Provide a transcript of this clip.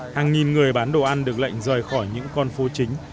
hàng nghìn người bán đồ ăn được lệnh rời khỏi những con phố chính